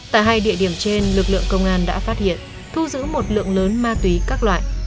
tại hai địa điểm trên lực lượng công an đã phát hiện thu giữ một lượng lớn ma túy các loại